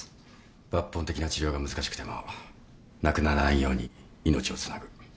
抜本的な治療が難しくても亡くならないように命をつなぐ。